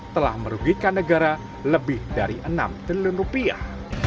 telah merugikan negara lebih dari enam triliun rupiah